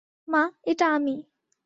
মা, এটা আমি।